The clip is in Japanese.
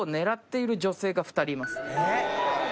えっ？